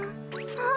あっ。